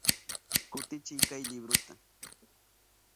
Kutichiy kay libruta.